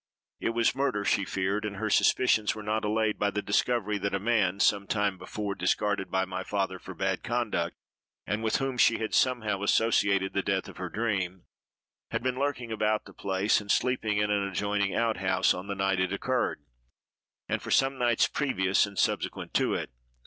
It was murder she feared; and her suspicions were not allayed by the discovery that a man (some time before discarded by my father for bad conduct, and with whom she had, somehow, associated the Death of her dream) had been lurking about the place, and sleeping in an adjoining outhouse on the night it occurred, and for some nights previous and subsequent to it.